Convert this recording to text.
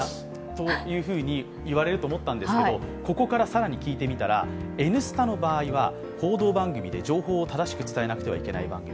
というふうに言われると思ったんですけど、ここから更に聞いてみたら、「Ｎスタ」の場合は報道番組で情報を正しく伝えなくてはいけない番組。